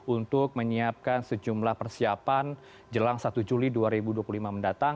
untuk menyiapkan sejumlah persiapan jelang satu juli dua ribu dua puluh lima mendatang